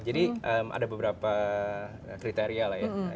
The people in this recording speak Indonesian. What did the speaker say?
jadi ada beberapa kriteria lah ya